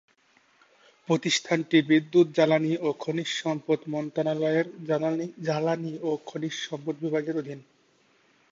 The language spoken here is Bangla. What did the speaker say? প্রতিষ্ঠানটি বিদ্যুৎ জ্বালানি ও খনিজ সম্পদ মন্ত্রণালয়ের জ্বালানি ও খনিজ সম্পদ বিভাগের অধীন।